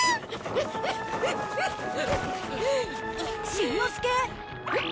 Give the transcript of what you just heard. しんのすけ！？